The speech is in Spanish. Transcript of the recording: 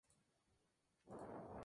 Este episodio recibió críticas positivas.